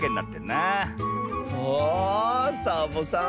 あサボさん